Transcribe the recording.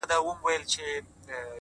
د گلو كر نه دى چي څوك يې پــټ كړي!!